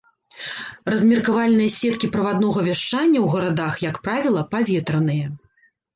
Размеркавальныя сеткі праваднога вяшчання ў гарадах, як правіла, паветраныя.